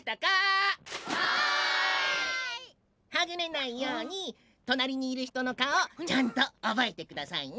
はぐれないようにとなりにいるひとのかおちゃんとおぼえてくださいね。